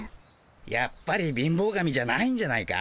やっぱり貧乏神じゃないんじゃないか？